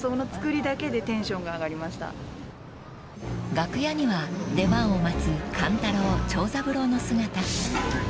［楽屋には出番を待つ勘太郎長三郎の姿］